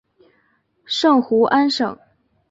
圣胡安省。